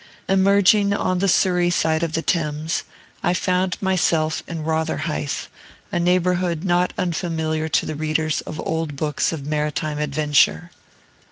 Emerging on the Surrey side of the Thames, I found myself in Rotherhithe, a neighborhood not unfamiliar to the readers of old books of maritime adventure.